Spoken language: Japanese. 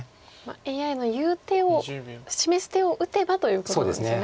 ＡＩの言う手を示す手を打てばということなんですよね。